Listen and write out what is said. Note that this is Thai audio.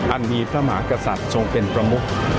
อันมีพระมหากษัตริย์ทรงเป็นประมุก